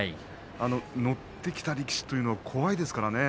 乗ってきた力士というのは怖いですからね。